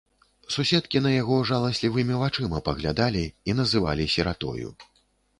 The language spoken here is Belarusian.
Суседкі на яго жаласлівымі вачыма паглядалі і называлі сіратою.